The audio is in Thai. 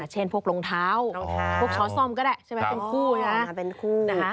เช่นพวกรองเท้าพวกช้อนซอมก็ได้ใช่ไหมเป็นคู่นะ